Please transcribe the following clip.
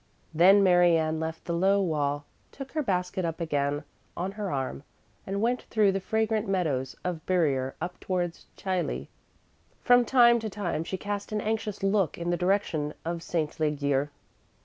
Then Mary Ann left the low wall, took her basket up again on her arm and went through the fragrant meadows of Burier up towards Chailly. From time to time she cast an anxious look in the direction of St. Legier.